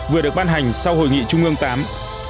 vừa được ban hành sau hội nghị trung ương viii